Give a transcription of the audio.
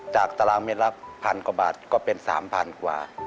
ตารางเมตรละพันกว่าบาทก็เป็น๓๐๐๐กว่า